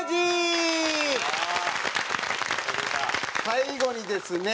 最後にですね